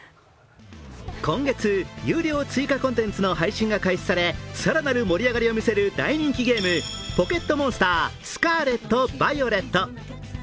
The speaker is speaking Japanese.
今月有料追加コンテンツの配信が開始され、更なる盛り上がりを見せる大人気ゲーム、「ポケットモンスタースカーレット・バイオレット」。